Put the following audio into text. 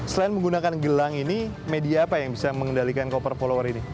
selain menggunakan gelang ini media apa yang bisa mengendalikan koper follower ini